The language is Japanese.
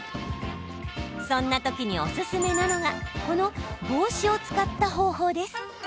そんなときにおすすめなのがこの帽子を使った方法です。